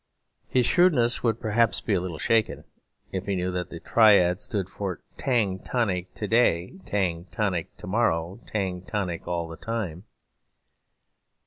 His shrewdness would perhaps be a little shaken if he knew that the triad stood for 'Tang Tonic To day; Tang Tonic To morrow; Tang Tonic All the Time.'